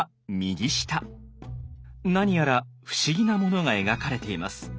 何やら不思議なものが描かれています。